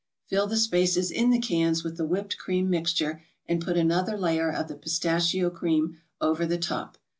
Fill the spaces in the cans with the whipped cream mixture, and put another layer of the pistachio cream over the top.